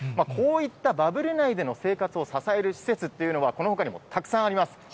こういったバブル内での生活を支える施設というのは、このほかにもたくさんあります。